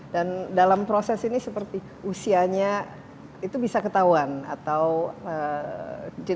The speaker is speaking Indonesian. dan dalam proses ini seperti usianya itu bisa ketahuan atau jenis ketahuan